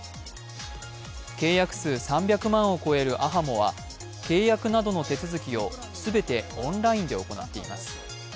契約数３００万を超えるａｈａｍｏは契約などの手続きを全てオンラインで行っています。